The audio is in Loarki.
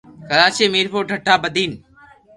ڪراچي ۔ ميرپورخاص ۔ ٺھٺہ ۔ بدين